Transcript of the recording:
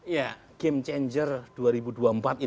ya game changer dua ribu dua puluh empat itu istilahnya kodari